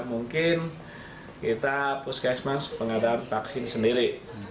mungkin kita puskesmas pengadaan vaksin sendiri